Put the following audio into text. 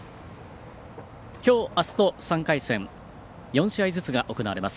きょう、あすと、３回戦４試合ずつが行われます。